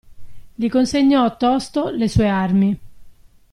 Gli consegnò tosto le sue armi.